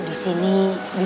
terima kasih andre